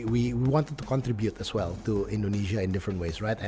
kita ingin juga berkontribusi ke indonesia di beberapa negara